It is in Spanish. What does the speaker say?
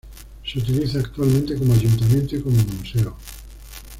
Se utiliza actualmente como ayuntamiento y como museo.